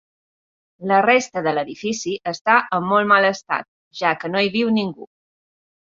La resta de l'edifici està en molt mal estat, ja que no hi viu ningú.